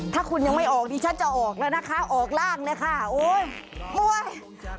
ถ้าคุณยังไม่ออกดิฉันจะออกแล้วนะคะออกล่างเลยค่ะโอ๊ยโอ๊ย